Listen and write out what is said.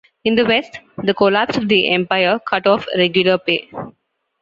In the west, the collapse of the empire cut off regular pay.